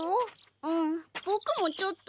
うんボクもちょっと。